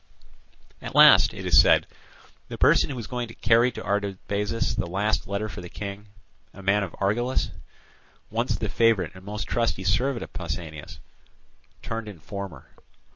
At last, it is said, the person who was going to carry to Artabazus the last letter for the King, a man of Argilus, once the favourite and most trusty servant of Pausanias, turned informer.